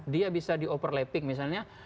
dia bisa di overlapping misalnya